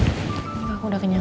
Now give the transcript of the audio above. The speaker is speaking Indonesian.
enggak aku udah kenyal